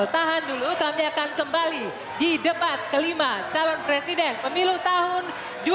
tahan dulu kami akan kembali di debat kelima calon presiden pemilu tahun dua ribu dua puluh empat